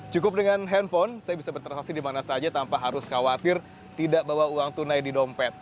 cukup dengan handphone saya bisa bertransaksi di mana saja tanpa harus khawatir tidak bawa uang tunai di dompet